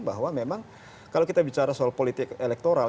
bahwa memang kalau kita bicara soal politik elektoral